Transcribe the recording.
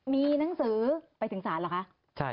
มีหนังสือไปถึงศาลเหรอคะ